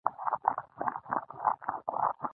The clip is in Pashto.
زړه د تودو احساساتو کور دی.